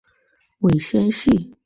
尾纤细。